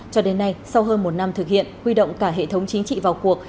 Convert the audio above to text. cho đến nay sau hơn một năm thực hiện huy động cả hệ thống chính trị vào cuộc